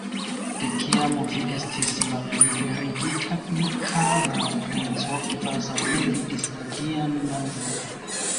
De kiam vi estis malliberigita, mi, kara princo, kvazaŭ ne vidis la Dian mondon!